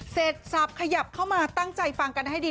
สับขยับเข้ามาตั้งใจฟังกันให้ดี